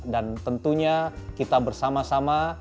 dan tentunya kita bersama sama